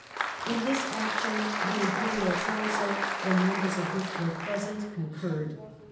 In this action the Imperial Council, the members of which were present, concurred.